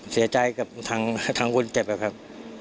เสียใจกับทางคนเจ็บอะครับ